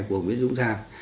của người giang